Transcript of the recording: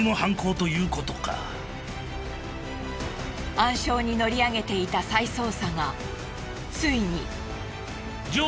暗礁に乗り上げていた再捜査がついに。